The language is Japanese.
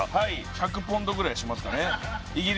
１００ポンドぐらいしますかね